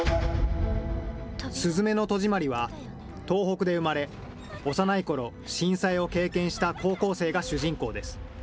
すずめの戸締まりは、東北で生まれ、幼いころ震災を経験した高校生が主人公です。